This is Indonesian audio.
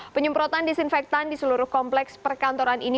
penyemprotan disinfektan di seluruh kompleks perkantoran ini